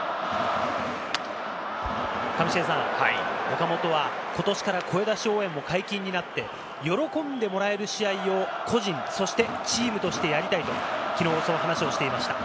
岡本は今年から声出し応援も解禁になって喜んでもらえる試合を個人、そしてチームとしてやりたいと昨日もそう話していました。